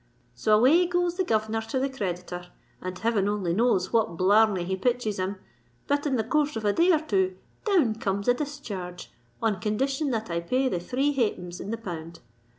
_'—So away goes the governor to the creditor; and heaven only knows what blarney he pitches him;—but in the course of a day or two, down comes a discharge on condition that I pay the three halfpence in the pound.